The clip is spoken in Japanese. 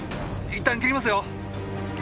いったん切りますよ！